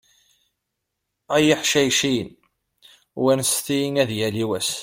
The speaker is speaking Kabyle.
Ay iḥcayciyen, wanset-iyi ad yali wass.